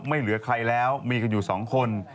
ไม่เหลือใครแล้วมีกันอยู่๒คน